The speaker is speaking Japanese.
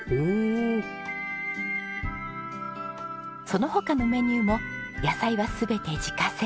その他のメニューも野菜は全て自家製。